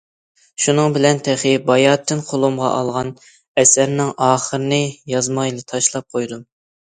شۇنىڭ بىلەن تېخى باياتىن قولۇمغا ئالغان ئەسەرنىڭ ئاخىرىنى يازمايلا تاشلاپ قويدۇم.